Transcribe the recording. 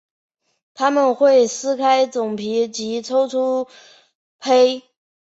它们会撕开种皮及抽出胚。